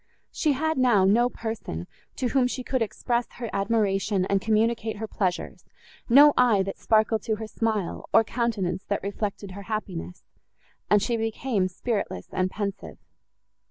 She had now no person, to whom she could express her admiration and communicate her pleasures, no eye, that sparkled to her smile, or countenance, that reflected her happiness; and she became spiritless and pensive.